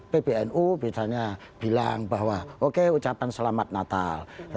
pbnu misalnya bilang bahwa oke ucapan selamat natal